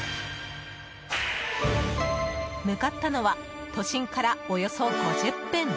向かったのは都心からおよそ５０分。